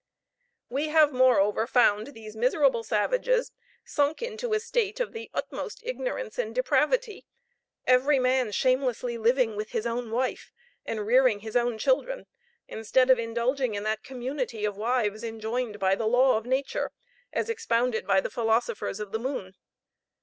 "We have moreover found these miserable savages sunk into a state of the utmost ignorance and depravity, every man shamelessly living with his own wife, and rearing his own children, instead of indulging in that community of wives enjoined by the law of nature, as expounded by the philosophers of the moon.